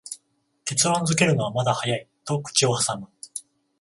結論づけるのはまだ早いと口をはさむ